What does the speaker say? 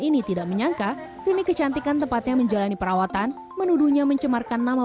ini tidak menyangka rimi kecantikan tempatnya menjalani perawatan menuduhnya mencemarkan nama